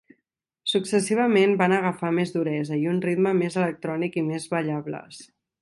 Successivament van agafar més duresa i un ritme més electrònic i més ballables.